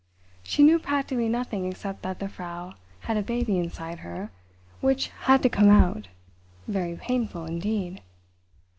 She knew practically nothing except that the Frau had a baby inside her, which had to come out—very painful indeed.